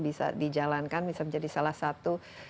bisa dijalankan bisa menjadi salah satu